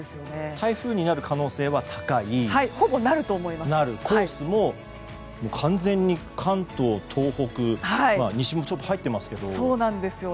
台風になる可能性は高いコースも完全に関東、東北西もちょっと入っていますけど。